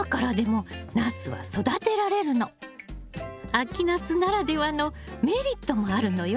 秋ナスならではのメリットもあるのよ。